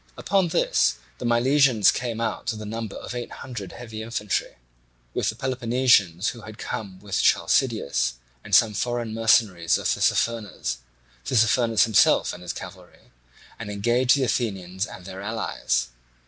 Upon this the Milesians came out to the number of eight hundred heavy infantry, with the Peloponnesians who had come with Chalcideus, and some foreign mercenaries of Tissaphernes, Tissaphernes himself and his cavalry, and engaged the Athenians and their allies.